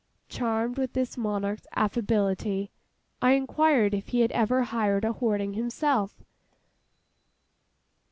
Charmed with this monarch's affability, I inquired if he had ever hired a hoarding himself.